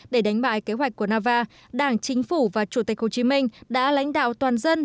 để đánh bại kế hoạch của nava đảng chính phủ và chủ tịch hồ chí minh đã lãnh đạo toàn dân